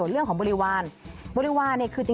เรื่องของโชคลาบนะคะ